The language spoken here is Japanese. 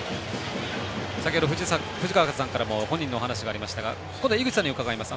先ほど藤川さんからも本人のお話がありましたが今度は井口さんに伺います。